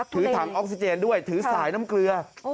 ถือถังออกซิเจนด้วยถือสายน้ำเกลือ